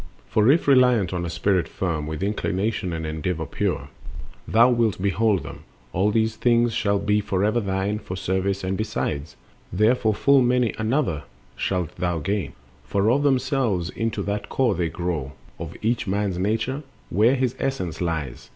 For if reliant on a spirit firm, With inclination and endeavor pure, Thou wilt behold them, all these things shall be Forever thine, for service, and besides Thereof full many another shalt thou gain; For of themselves into that core they grow Of each man's nature, where his essence lies.